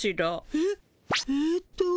えっ？えっと。